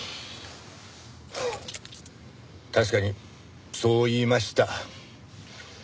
確かにそう言いました。